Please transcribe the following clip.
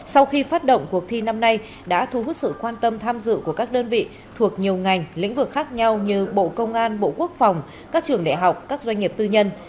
sau khi phát động cuộc thi năm nay đã thu hút sự quan tâm tham dự của các đơn vị thuộc nhiều ngành lĩnh vực khác nhau như bộ công an bộ quốc phòng các trường đại học các doanh nghiệp tư nhân